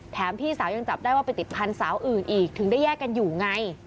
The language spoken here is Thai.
พี่สาวยังจับได้ว่าไปติดพันธุ์สาวอื่นอีกถึงได้แยกกันอยู่ไง